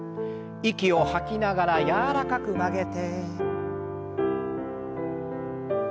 息を吐きながら柔らかく曲げて。